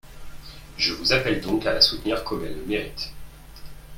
Je vous appelle donc à la soutenir comme elle le mérite.